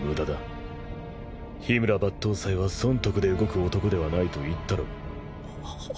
緋村抜刀斎は損得で動く男ではないと言ったろう。